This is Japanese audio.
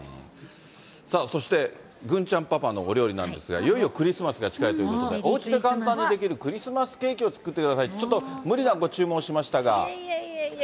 そして、郡ちゃんパパのお料理なんですが、いよいよクリスマスが近いということで、おうちで簡単にできるクリスマスケーキを作ってくださいって、いえいえいえ。